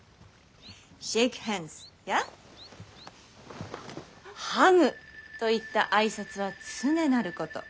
シェイクハンズやハグといった挨拶は常なること。